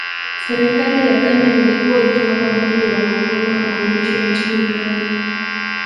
Serikali ya Ghana ilikuwa ikiomba mwili wa Nkrumah urudishwe nchini Ghana